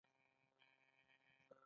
غوړي باید کم وخوړل شي